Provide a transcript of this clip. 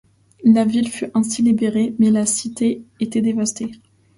La ville fut ainsi libérée, mais la cité était dévastée.